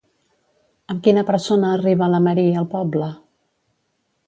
Amb quina persona arriba la Marie al poble?